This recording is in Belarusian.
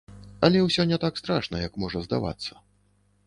Але ўсё не так страшна, як можа здавацца.